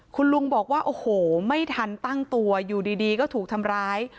คุณลุงบอกว่าโอ้โหไม่ทันตั้งตัวอยู่ดีก็ถูกทำร้าย